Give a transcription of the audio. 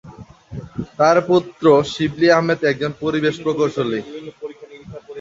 তার পুত্র শিবলী আহমেদ একজন পরিবেশ প্রকৌশলী।